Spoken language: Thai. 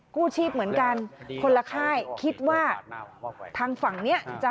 กู้ชีพเหมือนกันคนละค่ายคิดว่าทางฝั่งนี้จะ